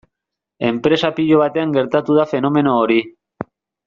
Enpresa pilo batean gertatu da fenomeno hori.